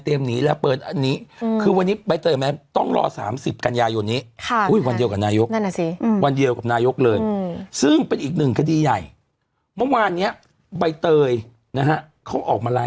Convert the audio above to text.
ถึงถึงถึงที่มีให้ข่าวว่า